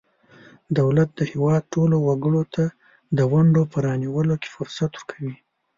دولت د هیواد ټولو وګړو ته د ونډو په رانیولو کې فرصت ورکوي.